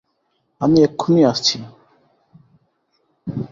আমি এক্ষুণি আসছি।